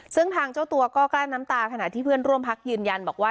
ซึ่งทางเจ้าตัวก็กลั้นน้ำตาขณะที่เพื่อนร่วมพักยืนยันบอกว่า